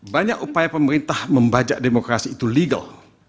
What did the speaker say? banyak upaya pemerintah membajak demokrasi itu legal